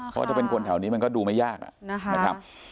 เพราะถ้าเป็นคนแถวนี้มันก็ดูไม่ยาก